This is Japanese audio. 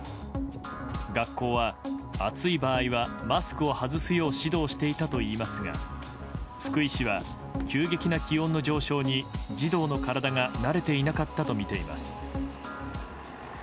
学校は暑い場合はマスクを外すよう指導していたといいますが福井市は急激な気温の上昇に児童の体が慣れていなかったとみています。